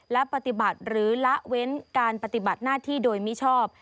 และปฏิบัติหรือละเว้นการปฏิบัติหน้าที่โดยมิชอบ